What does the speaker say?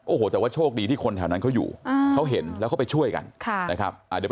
โอ้โหแต่ว่าโชคดีที่คนแถวนั้นเขาอยู่เขาเห็นแล้วเขาไปช่วยกันค่ะนะครับเดี๋ยว